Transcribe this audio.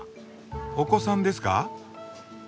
お子さんですか？